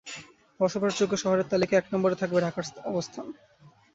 বসবাসযোগ্য শহরের তালিকার এক নম্বরে থাকবে ঢাকার অবস্থান।